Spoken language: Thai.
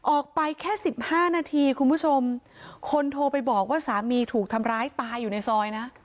ออกไปแค่สิบห้านาทีคุณผู้ชมคนโทรไปบอกว่าสามีถูกทำร้ายตายอยู่ในซอยนะ